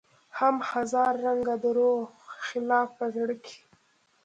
هم هزار رنګه دروغ خلاف په زړه کې